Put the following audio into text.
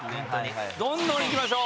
どんどん行きましょう！